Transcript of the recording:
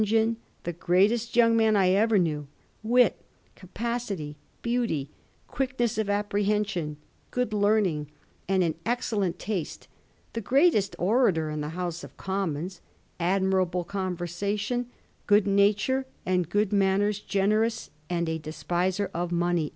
John the greatest young man I ever knew : wit, capacity, beauty, quickness of ap prehension, good learning and an excellent taste ; the greatest orator in the House of Commons, admirable conversation, good nature and good manners, gener ous, and a despiser of money.'